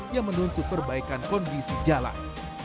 yang menuntut perbaikan kondisi jalan